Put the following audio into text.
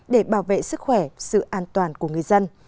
để bảo vệ sức khỏe sự an toàn của người dân